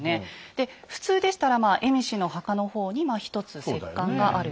で普通でしたら蝦夷の墓の方に１つ石棺があると。